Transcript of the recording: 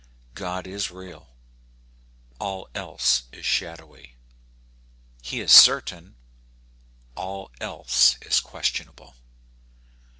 God is real: all else is shadowy. He is certain: all else is questionable.